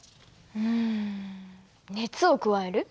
うん熱を加える？